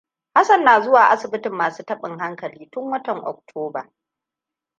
Hassan na zuwa asibitin masu taɓin hankali tun watan Oktoba.